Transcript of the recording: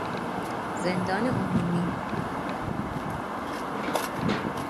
زندان عمومی